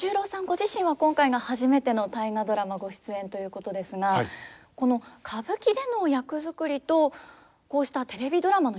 ご自身は今回が初めての「大河ドラマ」ご出演ということですがこの歌舞伎での役作りとこうしたテレビドラマの役作りというのは結構違うものなんですか？